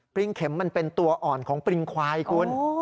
ริงเข็มมันเป็นตัวอ่อนของปริงควายคุณ